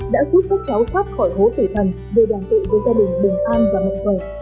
đã giúp các cháu thoát khỏi hố tử thần về đàn tự của gia đình bình an và mạnh khỏe